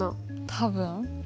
多分。